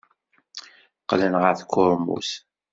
Qqlen ɣer tkurmut.